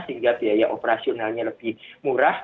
sehingga biaya operasionalnya lebih murah